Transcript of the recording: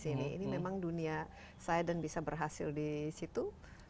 ini memang dunia saya dan bisa berhasil disitu